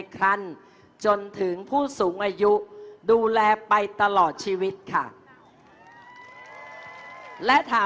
คุณภูมิค่ะ